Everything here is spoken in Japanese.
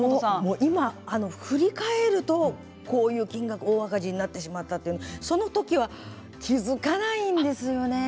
今、振り返るとこういう金額、大赤字になってしまったんですがその時は気付かないんですよね